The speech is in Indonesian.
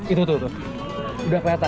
itu tuh udah kelihatan